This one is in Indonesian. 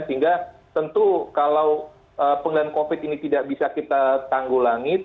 sehingga tentu kalau pengelolaan covid sembilan belas ini tidak bisa kita tanggulangi